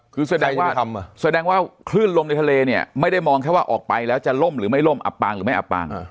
คือแสดงว่าแสดงว่าคลื่นลมในทะเลเนี่ยไม่ได้มองแค่ว่าออกไปแล้วจะล่มหรือไม่ล่มอับปางหรือไม่อับปาง